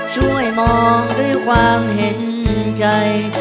ช่วยมองด้วยความเห็นใจ